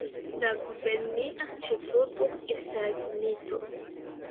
La gubernia ĉefurbo estas Mito.